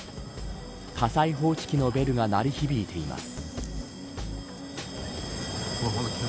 火災報知器のベルが鳴り響いています。